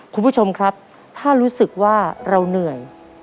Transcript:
คุณผู้ชมครับถ้ารู้สึกว่าเราเหนื่อย